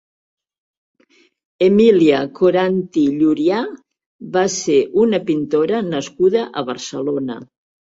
Emília Coranty Llurià va ser una pintora nascuda a Barcelona.